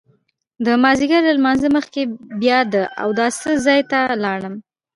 د مازیګر له لمانځه مخکې بیا د اوداسه ځای ته لاړم.